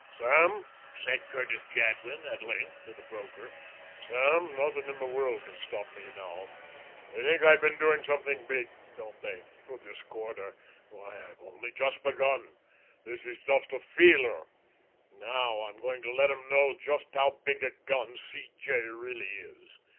"Sam," said Curtis Jadwin, at length to the broker, "Sam, nothing in the world can stop me now. They think I've been doing something big, don't they, with this corner. Why, I've only just begun. This is just a feeler. Now I'm going to let 'em know just how big a gun C. J. really is.